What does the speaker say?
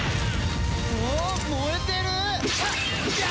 おお燃えてる！